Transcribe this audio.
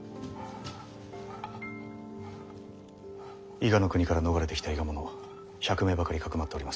伊賀国から逃れてきた伊賀者１００名ばかりかくまっております。